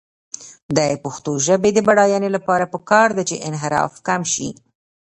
د پښتو ژبې د بډاینې لپاره پکار ده چې انحراف کم شي.